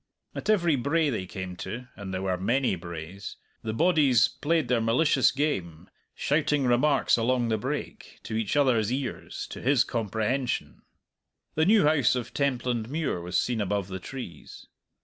At every brae they came to (and there were many braes) the bodies played their malicious game, shouting remarks along the brake, to each other's ears, to his comprehension. The new house of Templandmuir was seen above the trees.